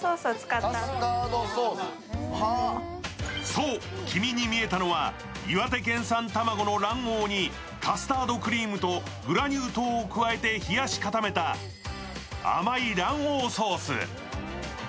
そう、黄身に見えたのは岩手県産卵の卵黄にカスタードクリームとグラニュー糖を加えて冷やし固めた甘い卵黄ソース。